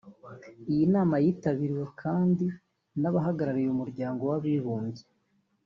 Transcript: Iyi nama yitabiriwe kandi n’abahagarariye Umuryango w’Abibumbye